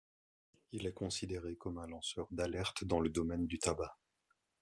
Il est considéré comme un lanceur d'alerte dans le domaine du tabac.